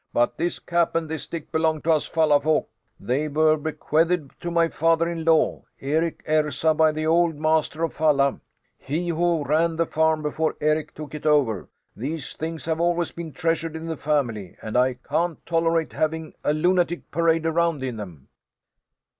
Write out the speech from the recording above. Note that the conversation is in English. "But this cap and this stick belong to us Falla folk. They were bequeathed to my father in law, Eric Ersa, by the old master of Falla, he who ran the farm before Eric took it over. These things have always been treasured in the family, and I can't tolerate having a lunatic parade around in them."